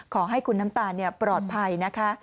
ขอให้คุณน้ำตาลปลอดภัยนะคะ